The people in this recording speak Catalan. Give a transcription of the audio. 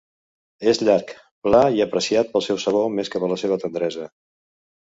És llarg, pla i apreciat pel seu sabor més que per la seva tendresa.